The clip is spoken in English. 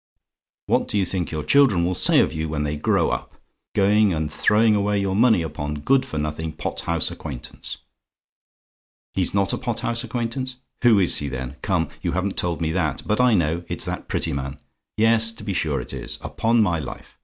What do you think your children will say of you when they grow up going and throwing away your money upon good for nothing pot house acquaintance? "HE'S NOT A POT HOUSE ACQUAINTANCE? "Who is he, then? Come, you haven't told me that; but I know it's that Prettyman! Yes, to be sure it is! Upon my life!